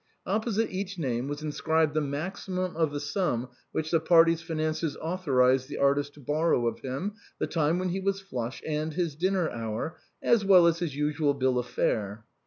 Opposite each name was inscribed the maximum of the sum which the party's finances authorized the artist to borrow of him, the time when he was flush, and his dinner hour, as well as his usual bill of fare.